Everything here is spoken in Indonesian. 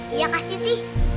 iya kak siti